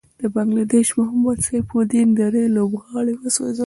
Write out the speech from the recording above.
د بنګله دېش محمد سيف الدين دری لوبغاړی وسوځل.